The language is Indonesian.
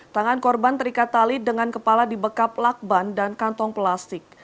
tangan korban terikat tali dengan kepala dibekap lakban dan kantong plastik